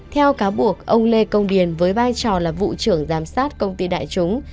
theo cáo buộc ông lê công điền với vai trò là vụ trưởng giám sát công ty đại chúng